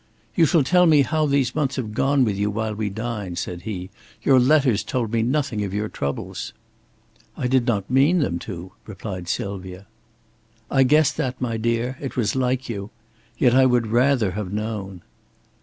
"You shall tell me how these months have gone with you while we dine," said he. "Your letters told me nothing of your troubles." "I did not mean them to," replied Sylvia. "I guessed that, my dear. It was like you. Yet I would rather have known."